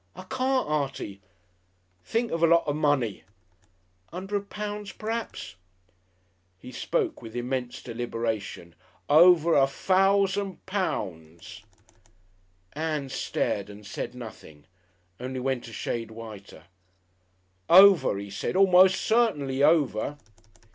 "I can't, Artie." "Think of a lot of money!" "A 'undred pounds p'raps?" He spoke with immense deliberation. "O v e r a f o u s a n d p o u n d s!" Ann stared and said nothing, only went a shade whiter. "Over, he said. A'most certainly over."